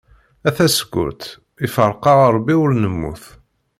A tasekkurt, ifreq-aɣ Rebbi ur nemmut.